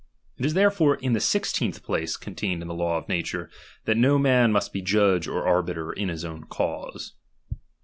It is therefore in the sixteenth place contained in the law of na ture, that no man must be Judge or arbiter in fus own cause.